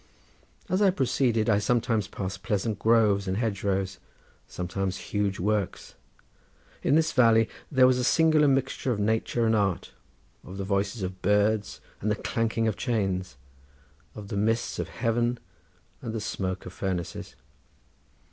As I proceeded I sometimes passed pleasant groves and hedgerows, sometimes huge works; in this valley there was a singular mixture of nature and art, of the voices of birds and the clanking of chains, of the mists of heaven and the smoke of furnaces.